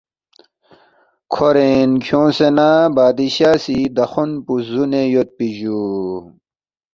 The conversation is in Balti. کھورین کھیونگسے تا بادشاہ سی دخون پو زُونے یودپی جُو